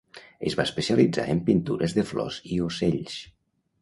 Es va especialitzar en pintures de flors i ocells.